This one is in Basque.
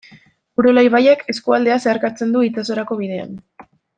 Urola ibaiak eskualdea zeharkatzen du itsasorako bidean.